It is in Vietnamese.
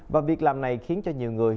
và việc làm này khiến cho nhiều người